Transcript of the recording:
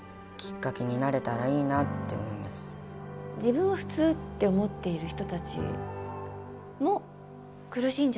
自分は普通って思っている人たちも苦しいんじゃないか。